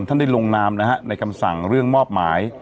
ท่านได้ลงนามนะฮะในคำสั่งเรื่องมอบหมาย